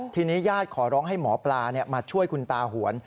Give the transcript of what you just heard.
ทีนี้ญาติขอร้องให้หมอปลามาช่วยคุณตาหวน